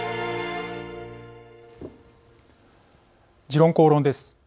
「時論公論」です。